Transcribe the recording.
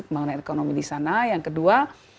pembangunan ekonomi di sana yang kedua